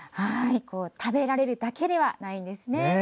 食べられるだけではないんですね。